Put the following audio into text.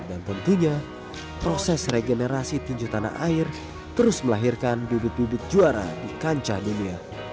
dan tentunya proses regenerasi tinju tanah air terus melahirkan bibit bibit juara di kancah dunia